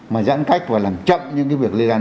mà giãn cách và làm chậm những cái việc lây lan